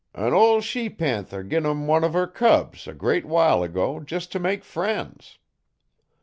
An' ol' she panther gin 'em one uv her cubs, a great while ago, jes t' make frien's.